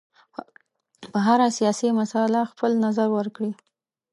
په هره سیاسي مسله خپل نظر ورکړي.